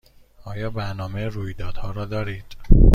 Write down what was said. آیا برنامه رویدادها را دارید؟